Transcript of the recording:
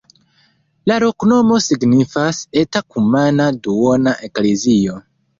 La loknomo signifas: eta-kumana-duona-eklezio.